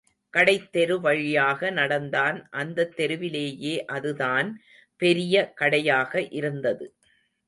கடைத்தெரு வழியாக நடந்தான் அந்தத் தெருவிலேயே அதுதான் பெரிய கடையாக இருந்தது.